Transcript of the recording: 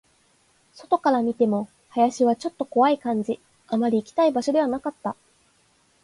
外から見ても、林はちょっと怖い感じ、あまり行きたい場所ではなかった